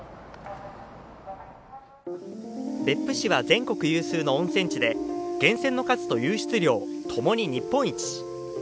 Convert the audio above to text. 別府市は全国有数の温泉地で源泉の数と湧出量ともに日本一。